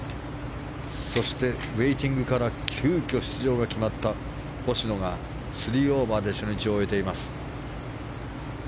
そしてウェイティングから急きょ出場が決まった星野が３オーバーで初日を終えています。